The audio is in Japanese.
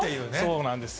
そうなんですよ。